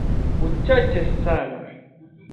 uchache sana